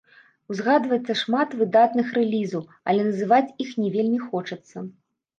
Узгадваецца шмат выдатных рэлізаў, але называць іх не вельмі хочацца.